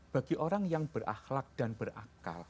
bagi orang yang berakhlak dan berakal